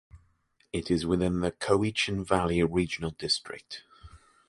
It is within the Cowichan Valley Regional District.